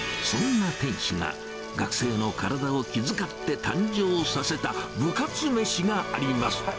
そんな店主が学生の体を気遣って誕生させた部活めしがあります。